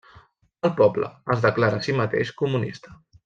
El poble es declara a si mateix comunista.